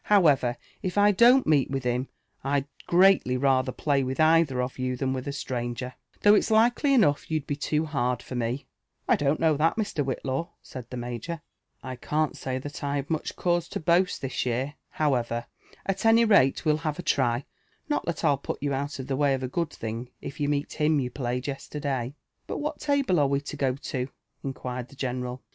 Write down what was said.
However, if I don'l meet with him, Vd greatly ratlher play ^i(h either of yon than with ft stranger ; though it's likely enough you'd be too hard for me." I don'l know that, Mr. Whillaw," said the major; I can't sUf (hat I've much cause lo boast Ihis year. However, at any ralejive'U ha\en try — not that Til put you out of the way of a good (hiog if you ttieet him you played yesterday." But what table are we lo go to ?" inquired the general.